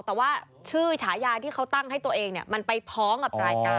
แต่ว่าชื่อฉายาที่เขาตั้งให้ตัวเองมันไปพ้องกับรายการ